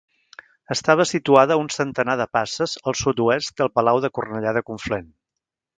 Estava situada a un centenar de passes al sud-oest del Palau de Cornellà de Conflent.